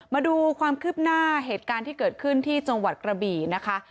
มาดูความคืบหน้าเหตุการณ์ที่เกิดขึ้นที่จังหวัดกระบี่นะคะ